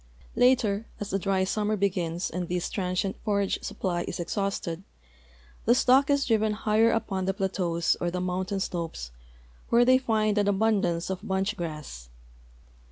I.ater, 400 THE SAGE PLAINS OF OREGON as the dry summer begins and this transient forage supply is exhausted, the stock is driven higher upon the ])lateaus or the mountain slopes, where they find an abundance of bunch grass.